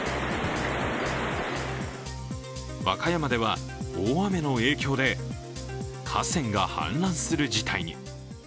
和歌山では大雨の影響で河川が氾濫する事態に。